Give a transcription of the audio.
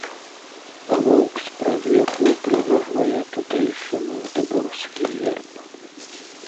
А воўк спрадвеку ўпрыгожвае тутэйшы магдэбургскі герб.